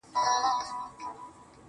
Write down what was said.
بلا وهلی يم له سترگو نه چي اور غورځي~